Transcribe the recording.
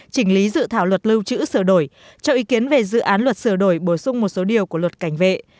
chỉnh lý dự thảo luật lưu trữ sửa đổi cho ý kiến về dự án luật sửa đổi bổ sung một số điều của luật cảnh vệ